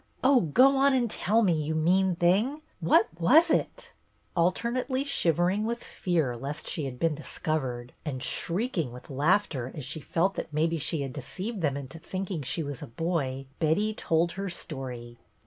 Oh, go on and tell me, you mean thing. What was it .?" Alternately shivering with fear lest she had been discovered, and shrieking with laughter as she felt that maybe she had deceived them into thinking she was a boy, Betty told her story.